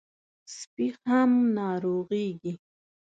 سپي هم ناروغېږي.